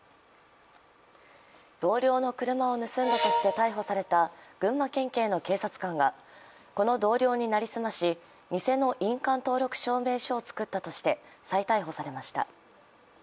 同僚の車を盗んだとして逮捕された群馬県警の警察官がこの同僚に成り済まし偽の印鑑登録証明書を作ったとして再逮捕されました。